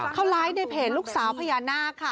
เขาไลฟ์ในเพจลูกสาวพญานาคค่ะ